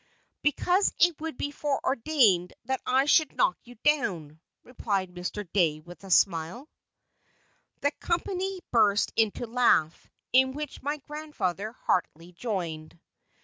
"Because it would be foreordained that I should knock you down," replied Mr. Dey, with a smile. The company burst into a laugh, in which my grandfather heartily joined.